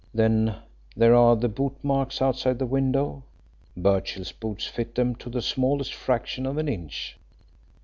Then there are the bootmarks outside the window. Birchill's boots fit them to the smallest fraction of an inch.